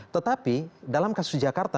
tetapi dalam kasus jakarta